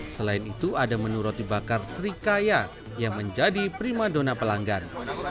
selain itu ada menu roti bakar srikaya yang menjadi prima dona pelanggan